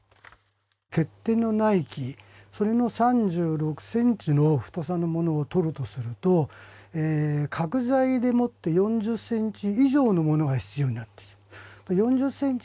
欠点のない木それの３６ｃｍの太さのものを取るとすると角材でもって４０ｃｍ以上のものが必要になるんです。